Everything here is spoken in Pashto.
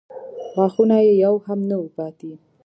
غاښونه یې يو هم نه و پاتې.